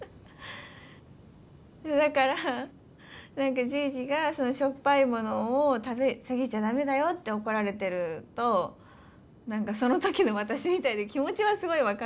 だから何かじいじがしょっぱいものを食べすぎちゃ駄目だよって怒られてると何かその時の私みたいで気持ちはすごい分かるの。